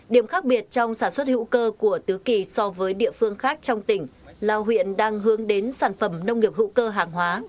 điểm khác biệt trong sản xuất hữu cơ của tứ kỳ so với địa phương khác trong tỉnh là huyện đang hướng đến sản phẩm nông nghiệp hữu cơ hàng hóa